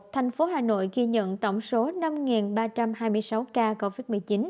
thành phố hà nội ghi nhận tổng số năm ba trăm hai mươi sáu ca covid một mươi chín